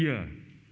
karena kita bersedia